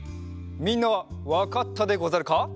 みんなはわかったでござるか？